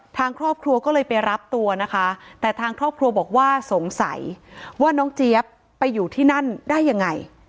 ทางครอบครัวก็เลยไปรับตัวนะคะแต่ทางครอบครัวบอกว่าสงสัยว่าน้องเจี๊ยบไปอยู่ที่นั่นได้ยังไง